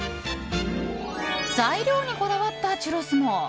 材料にこだわったチュロスも。